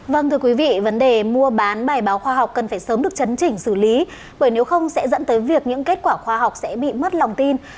vâng thưa quý vị vấn đề mua bán bài báo khoa học cần phải sớm được chấn chỉnh xử lý bởi nếu không sẽ dẫn tới việc những kết quả khoa học sẽ bị mất lòng tin